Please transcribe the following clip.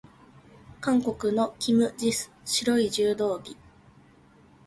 韓国のキム・ジス、白い柔道着。